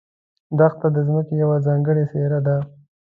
دښته د ځمکې یوه ځانګړې څېره ده.